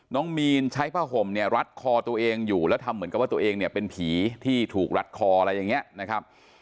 น้องมีนใช้ผ้าห่มเนี่ยรัดคอตัวเองอยู่แล้วทำเหมือนกับว่าตัวเองเนี่ยเป็นผีที่ถูกรัดคออะไรอย่างนี้นะครับ